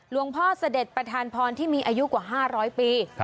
พ่อเสด็จประธานพรที่มีอายุกว่า๕๐๐ปี